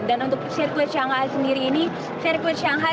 dan untuk sirkuit shanghai sendiri ini sirkuit shanghai